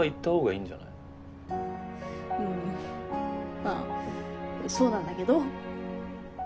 まあそうなんだけど。